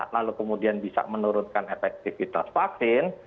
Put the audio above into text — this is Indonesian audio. lalu kemudian bisa menurunkan efektivitas vaksin